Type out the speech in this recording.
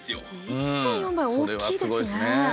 それはすごいですね。